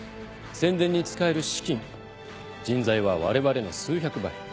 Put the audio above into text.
宣伝に使える資金人材はわれわれの数百倍。